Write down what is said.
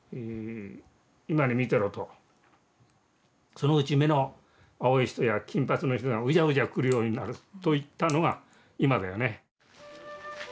「そのうち目の青い人や金髪の人がうじゃうじゃ来るようになる」と言ったのが今だよね。